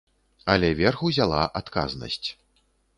Але верх узяла адказнасць.